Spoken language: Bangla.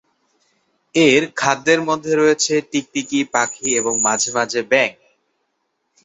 এর খাদ্যের মধ্যে রয়েছে টিকটিকি, পাখি এবং মাঝে মাঝে ব্যাঙ।